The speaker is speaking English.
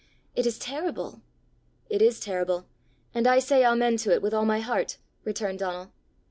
It is terrible!" "It is terrible, and I say amen to it with all my heart," returned Donal.